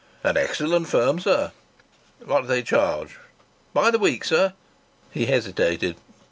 "An excellent firm, sir." "What do they charge?" "By the week, sir?" He hesitated.